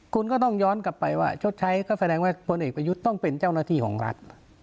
คุณก็ต้องย้อนกลับไปว่าชดใช้ก็แสดงว่าพลเอกประยุทธ์ต้องเป็นเจ้าหน้าที่ของรัฐ